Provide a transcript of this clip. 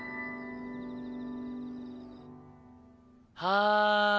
はあ。